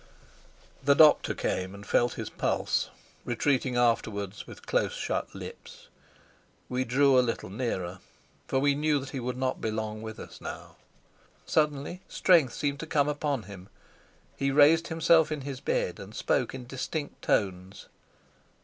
The doctor came and felt his pulse, retreating afterwards with close shut lips. We drew a little nearer, for we knew that he would not be long with us now. Suddenly strength seemed to come upon him. He raised himself in his bed, and spoke in distinct tones.